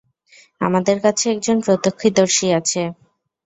আমাদের কাছে একজন প্রত্যক্ষদর্শী আছে।